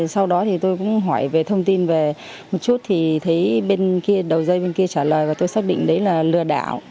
sau đó thì tôi cũng hỏi về thông tin về một chút thì thấy bên kia đầu dây bên kia trả lời và tôi xác định đấy là lừa đảo